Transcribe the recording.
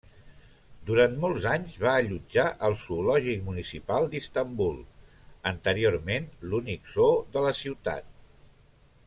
Durant molts anys va allotjar el zoològic municipal d'Istanbul, anteriorment l'únic zoo de la ciutat.